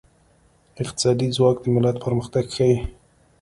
اقتصادي ځواک د ملت پرمختګ ښيي.